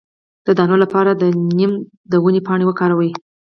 د دانو لپاره د نیم د ونې پاڼې وکاروئ